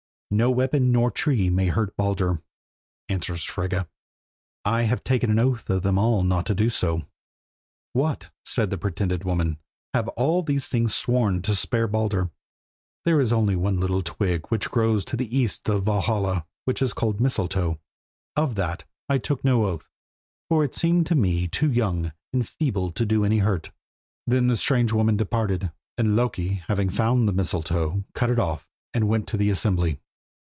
"No weapon, nor tree may hurt Baldur," answers Frigga, "I have taken an oath of them all not to do so." "What," said the pretended woman, "have all things then sworn to spare Baldur?" "There is only one little twig which grows to the east of Valhalla, which is called the mistletoe. Of that I took no oath, for it seemed to me too young and feeble to do any hurt." Then the strange woman departed, and Loki having found the mistletoe, cut it off, and went to the assembly.